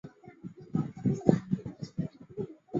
欧鲢是鲤科的一种淡水鱼。